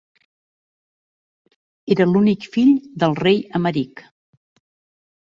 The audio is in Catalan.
Era l'únic fill del rei Emeric.